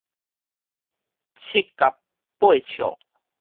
七匼八笑